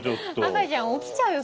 赤ちゃん起きちゃうよ